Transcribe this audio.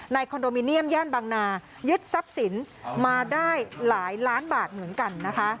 คอนโดมิเนียมย่านบางนายึดทรัพย์สินมาได้หลายล้านบาทเหมือนกันนะคะ